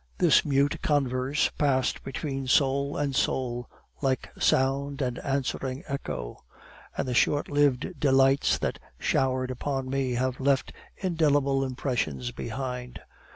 This mute converse passed between soul and soul, like sound and answering echo; and the short lived delights then showered upon me have left indelible impressions behind.